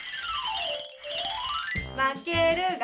まけるが。